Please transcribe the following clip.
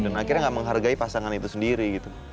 dan akhirnya gak menghargai pasangan itu sendiri gitu